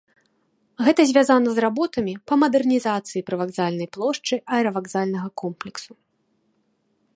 Гэта звязана з работамі па мадэрнізацыі прывакзальнай плошчы аэравакзальнага комплексу.